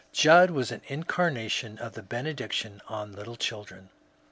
Judd was an incarnation of the benedic tion on little children.